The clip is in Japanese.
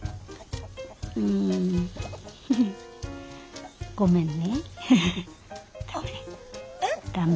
うんごめんね駄目。